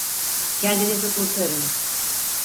Kendinizi kurtarın!